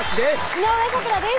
井上咲楽です